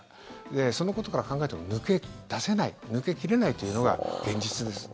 そのことから考えても抜け出せない抜け切れないというのが現実です。